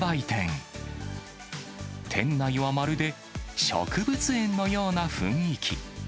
店内はまるで植物園のような雰囲気。